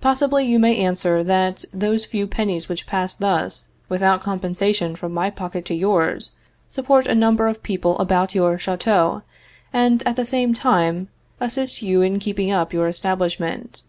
Possibly, you may answer that those few pennies which pass thus, without compensation, from my pocket to yours, support a number of people about your chateau, and at the same time assist you in keeping up your establishment.